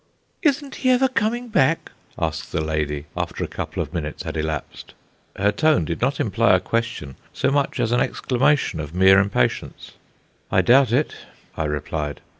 "Isn't he ever coming back?" asked the lady, after a couple of minutes had elapsed. Her tone did not imply a question, so much as an exclamation of mere impatience. "I doubt it," I replied.